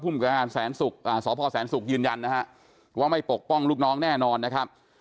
ผู้มีการศาลภอร์แสนศุกร์ยืนยันนะครับว่าไม่ปกป้องลูกน้องแน่นอนนะครับ